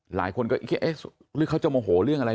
หลายคนก็เอ๊ะหรือเขาจะโมโหเรื่องอะไร